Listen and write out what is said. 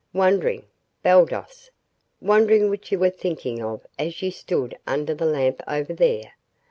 "Wondering, Baldos wondering what you were thinking of as you stood under the lamp over there."